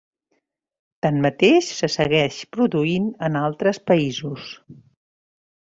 Tanmateix se segueix produint en altres països.